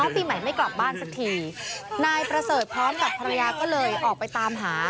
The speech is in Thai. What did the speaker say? ปีใหม่ไม่กลับบ้านสักทีนายประเสริฐพร้อมกับภรรยาก็เลยออกไปตามหา